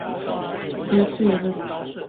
西勢路